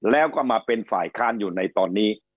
แล้วก็มาเป็นฝ่ายค้านอยู่ในตอนนี้